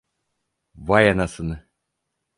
Vay anasını!